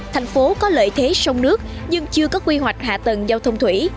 thành phố có lợi thế sông nước nhưng chưa có quy hoạch hạ tầng giao thông thủy